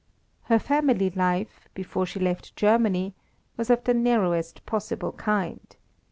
Her family life, before she left Germany, was of the narrowest possible kind.